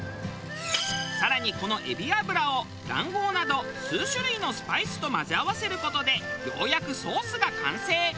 更にこの海老油を卵黄など数種類のスパイスと混ぜ合わせる事でようやくソースが完成。